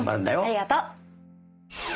ありがと！